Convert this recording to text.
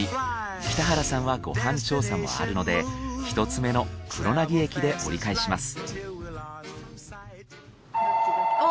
北原さんはご飯調査もあるので１つ目の黒薙駅で折り返します。